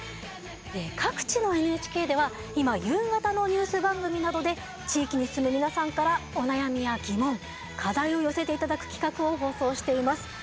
各地のＮＨＫでは今夕方のニュース番組などで地域に住む皆さんからお悩みや疑問課題を寄せていただく企画を放送しています。